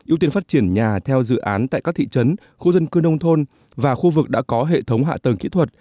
ưu tiên phát triển nhà theo dự án tại các thị trấn khu dân cư nông thôn và khu vực đã có hệ thống hạ tầng kỹ thuật